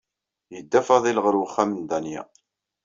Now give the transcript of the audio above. Yedda Faḍil ɣer uxxam n Danya.